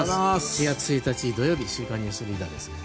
４月１日、土曜日「週刊ニュースリーダー」です。